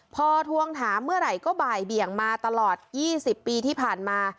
พอทวงถามเมื่อไหร่ก็บ่ายเบี่ยงมาตลอด๒๐ปีที่ผ่านมา